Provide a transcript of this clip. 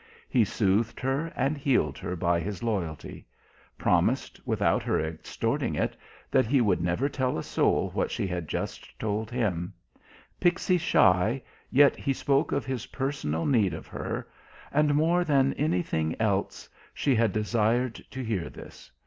He soothed her and healed her by his loyalty; promised, without her extorting it, that he would never tell a soul what she had just told him; pixie shy, yet he spoke of his personal need of her and more than anything else she had desired to hear this.